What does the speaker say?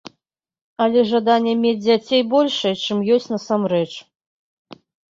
Але жаданне мець дзяцей большае, чым ёсць насамрэч.